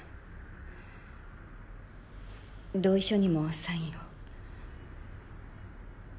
同意書にもサインを。